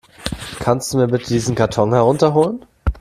Kannst du mir bitte diesen Karton herunter holen?